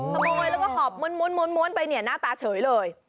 ขโมยแล้วก็หอบม้วนไปเนี่ยหน้าตาเฉยเลย